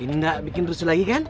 ini gak bikin terus lagi kan